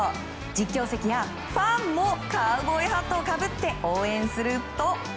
実況席やファンもカウボーイハットをかぶって応援すると。